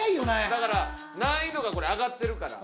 だから難易度がこれ上がってるから。